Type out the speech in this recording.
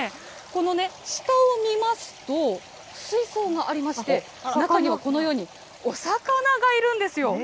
この下を見ますと、水槽がありまして、中にはこのようにお魚がいるんですよ。